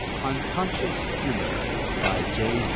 '" UNCONSCIOUS HUMOR BY J.